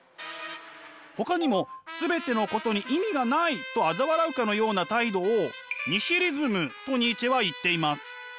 ほかにも全てのことに意味がないとあざ笑うかのような態度をニヒリズムとニーチェは言っています。